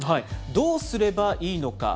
どうすればいいのか。